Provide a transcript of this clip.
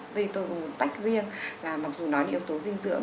đây tôi có một tách riêng là mặc dù nói là yếu tố dinh dưỡng